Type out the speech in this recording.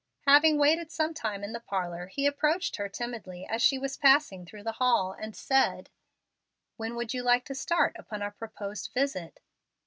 Having waited some time in the parlor, he approached her timidly as she was passing through the hall, and said, "When would you like to start upon our proposed visit?"